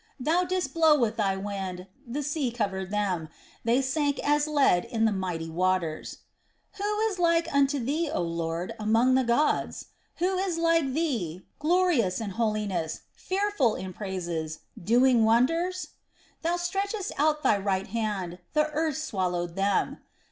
"Thou didst blow with thy wind, the sea covered them: they sank as lead in the mighty waters. "Who is like unto thee, O Lord, among the gods? Who is like thee, glorious in holiness, fearful in praises, doing wonders? "Thou stretchedst out thy right hand, the earth swallowed them.